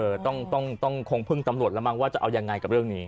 เออต้องต้องต้องคงเพิ่งตำหนดแล้วบ้างว่าจะเอายังไงกับเรื่องนี้